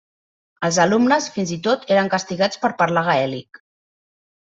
Els alumnes, fins i tot, eren castigats per parlar gaèlic.